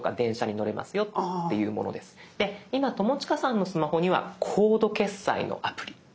で今友近さんのスマホにはコード決済のアプリ。